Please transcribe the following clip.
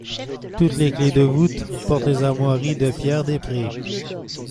Toutes les clefs de voûte portent les armoiries de Pierre des Prés.